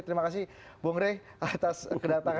terima kasih bung rey atas kedatangan